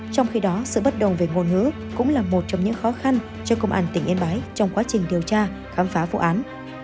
trong khi đó sự bất đồng về ngôn ngữ cũng là một trong những khó khăn cho công an tỉnh yên bái trong quá trình điều tra khám phá vụ án